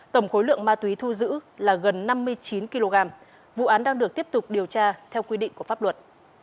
tổng khối lượng ma túy thu giữ là gần năm mươi chín kg vụ án đang được tiếp tục điều tra theo quy định của pháp luật